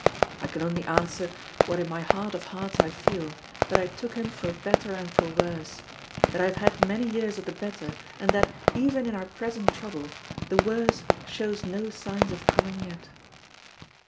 I can only answer, what in my heart of hearts I feel, that I took him for Better and for Worse; that I have had many years of the Better, and that, even in our present trouble, the Worse shows no signs of coming yet!